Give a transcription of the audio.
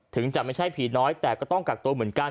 จะไม่ใช่ผีน้อยแต่ก็ต้องกักตัวเหมือนกัน